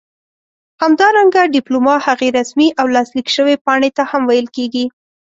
همدارنګه ډيپلوما هغې رسمي او لاسليک شوي پاڼې ته هم ويل کيږي